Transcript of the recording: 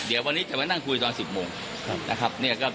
๔๐๐๕๐๐แล้วเดี๋ยววันนี้จะให้นั่งคุยตอน๑๐โมง